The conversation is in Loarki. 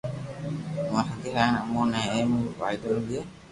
آوي ھگي ھين امو ني اي رو فائدو ملئي